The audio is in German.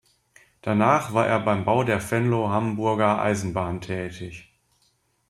Danach war er beim Bau der Venlo-Hamburger Eisenbahn tätig.